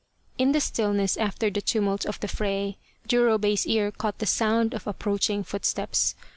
In the stillness after the tumult of the fray, Jurobei's ear caught the sound of approaching footsteps.